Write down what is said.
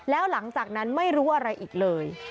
แล้วหลังจากนั้นไม่รู้อะไรอีกเลย